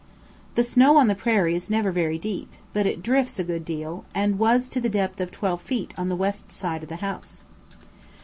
The snow on the prairie is never very deep, but it drifts a good deal, and was to the depth of twelve feet on the west side of the house.